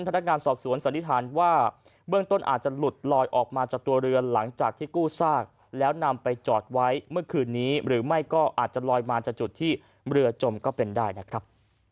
พนักงานสอบสวนสันนิษฐานว่าเบื้องต้นอาจจะหลุดลอยออกมาจากตัวเรือหลังจากที่กู้ซากแล้วนำไปจอดไว้เมื่อคืนนี้หรือไม่ก็อาจจะลอยมาจากจุดที่เรือจมก็เป็นได้นะครับ